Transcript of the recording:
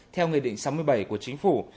theo nghị định sáu mươi bảy của chính phủ